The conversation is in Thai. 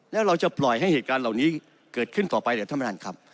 แล้วเราจะปล่อยให้เหตุการณ์เหล่านี้เกิดขึ้นต่อไปเลยครับ